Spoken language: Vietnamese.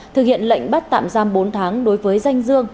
thực hiện lệnh bắt tạm giam bốn tháng đối với danh dương